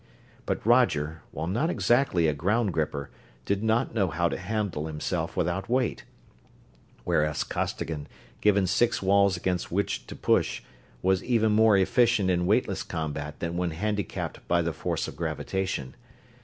But Roger, while not exactly a ground gripper, did not know how to handle himself without weight; whereas Costigan, given six walls against which to push, was even more efficient in weightless combat than when handicapped by the force of gravitation.